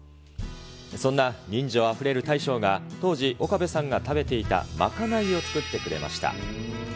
そんな人情あふれる大将が、当時、岡部さんが食べていた賄いを作ってくれました。